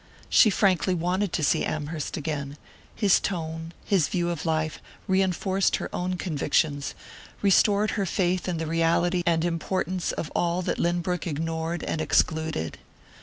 She frankly wanted to see Amherst again his tone, his view of life, reinforced her own convictions, restored her faith in the reality and importance of all that Lynbrook ignored and excluded.